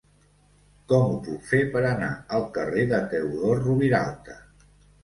Com ho puc fer per anar al carrer de Teodor Roviralta?